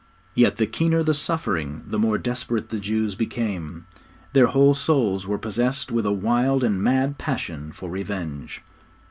Yet the keener the suffering, the more desperate the Jews became. Their whole souls were possessed with a wild and mad passion for revenge.